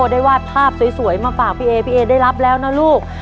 ได้วาดภาพสวยมาฝากพี่เอพี่เอได้รับแล้วนะลูก